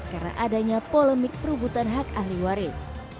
karena adanya polemik perubutan hak ahli waris